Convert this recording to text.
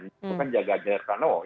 itu kan jaga jokowi